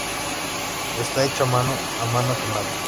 Esta hecho a mano, a mano quemada.